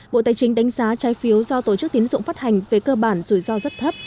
bộ tài chính đánh giá trái phiếu do tổ chức tiến dụng phát hành về cơ bản rủi ro rất thấp